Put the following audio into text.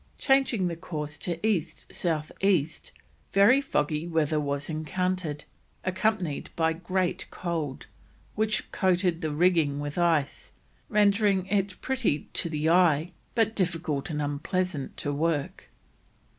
Changing the course to East South East, very foggy weather was encountered, accompanied by great cold, which coated the rigging with ice, rendering it very pretty to the eye but difficult and unpleasant to work.